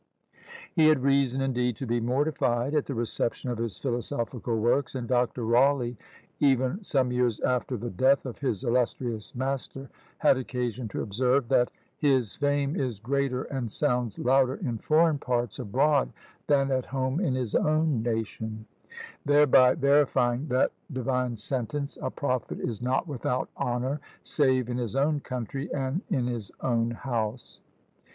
He had reason indeed to be mortified at the reception of his philosophical works; and Dr. Rawley, even some years after the death of his illustrious master, had occasion to observe, that "His fame is greater and sounds louder in foreign parts abroad than at home in his own nation"; thereby verifying that divine sentence, a prophet is not without honour, save in his own country and in his own house.